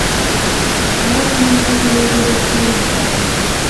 عربو ملګرو یې ډېره ستاینه کوله.